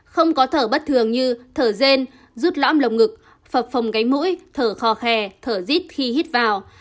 không có thở bất thường như thở rên rút lõm lồng ngực phập phồng gánh mũi thở khò khe thở rít khi hít vào